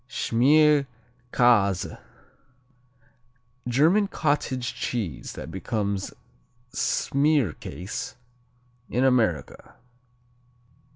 Schmierkäse German cottage cheese that becomes smearcase in America.